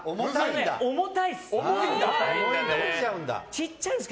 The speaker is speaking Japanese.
重たいっす！